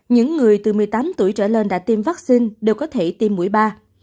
những người từ một mươi tám tuổi trở lên đã tiêm vaccine đều có thể tiêm mũi ba